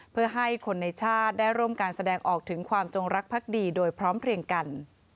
เพื่อให้คนในชาติได้ร่วมการแสดงออกถึงความจงรักภักดีโดยพร้อมเพลียงกัน